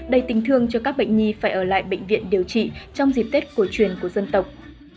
đầy tình thương cho các bệnh nhi phải ở lại bệnh viện điều trị trong dịp tết cổ truyền của dân tộc